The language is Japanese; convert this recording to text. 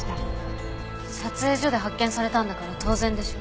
撮影所で発見されたんだから当然でしょ。